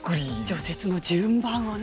除雪の順番をね。